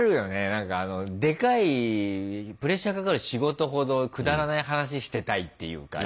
何かでかいプレッシャーかかる仕事ほどくだらない話してたいっていうか。